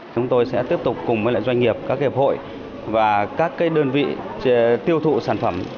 chúng tôi sẽ tiếp tục cùng với doanh nghiệp các hiệp hội và các đơn vị tiêu thụ sản phẩm